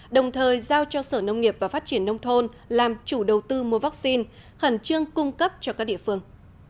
đồng thời giao cho sở nông nghiệp và phát triển nông thôn làm chủ đầu tư mua vaccine khẩn trương cung cấp cho các địa phương